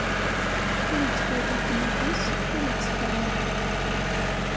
Ur ittwali ddnub-is, ur t-ikerreh.